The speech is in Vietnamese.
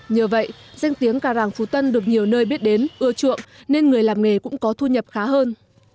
nhờ vậy danh tiếng gà ràng phú tân được nhiều nơi biết đến ưa chuộng nên người làm nghề cũng có thu nhập khá hơn